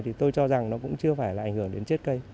thì tôi cho rằng nó cũng chưa phải là ảnh hưởng đến chết cây